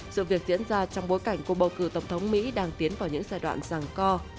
sự việc diễn ra trong bối cảnh cuộc bầu cử tổng thống mỹ đang tiến vào những giai đoạn ràng co